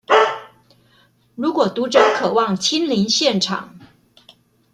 如果讀者渴望親臨現場